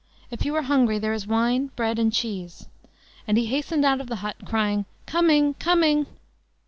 If you are hungry, there is wine, bread and cheese." And he hastened out of the hut, crying: "Coming! coming!"